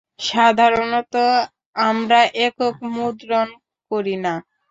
সাধারণত, আমরা একক মুদ্রণ করি না।